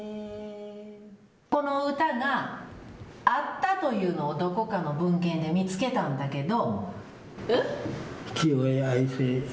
この歌があったというのをどこかの文献で見つけたんだけど。